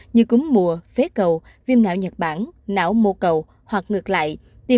như cúng mùa phế cầu viêm não nhật bản não mô cầu hoặc ngược lại